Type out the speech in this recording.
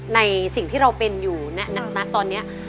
ในสิ่งที่เราเป็นอยู่นะตอนนี้